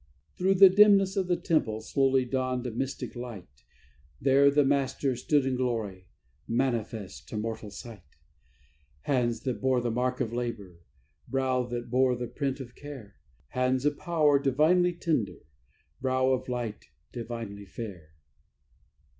Through the dimness of the temple slowly dawned a mystic light; There the Master stood in glory, manifest to mortal sight: Hands that bore the mark of labour, brow that bore the print of care; Hands of power, divinely tender; brow of light, divinely fair.